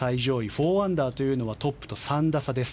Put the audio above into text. ４アンダーというのはトップと３打差です。